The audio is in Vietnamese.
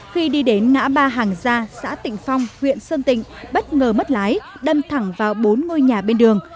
khi đi đến ngã ba hàng gia xã tịnh phong huyện sơn tịnh bất ngờ mất lái đâm thẳng vào bốn ngôi nhà bên đường